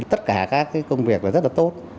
tất cả các công việc rất là tốt